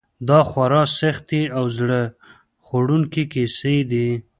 دا خورا سختې او زړه خوړونکې کیسې دي.